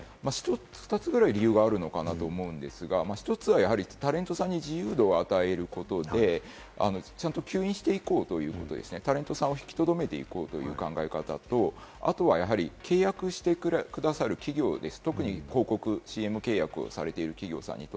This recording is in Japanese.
２つぐらい理由があるのかなと思うんですが、１つはタレントさんに自由度を与えることで、ちゃんと、救済していこうということですね、タレントさん、ききとどめていこうという考え方と、あとはやはり契約してくださる企業です。